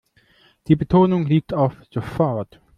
Die Betonung liegt auf sofort.